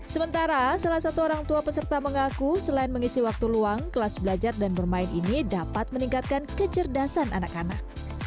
sementara salah satu orang tua peserta mengaku selain mengisi waktu luang kelas belajar dan bermain ini dapat meningkatkan kecerdasan anak anak